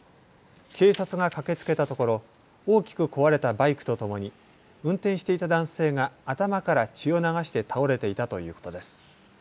警察が駆けつけたところ大きく壊れたバイクとともに運転していた男性が頭から血を流して倒れていたということです。